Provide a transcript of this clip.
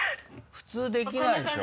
普通できないでしょ？